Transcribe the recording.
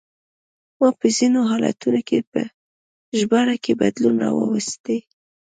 ما په ځینو حالتونو کې په ژباړه کې بدلون راوستی.